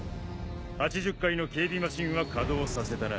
８０階の警備マシンは稼働させたな？